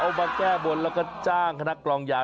มาแก้บนแล้วก็จ้างคณะกรองยา